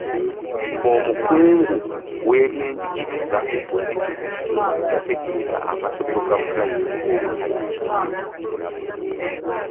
Omukungu w'ebyenjigiriza mu disitulikiti yategeeza amasomero ga pulayimale obutayisa baana bakola bubi.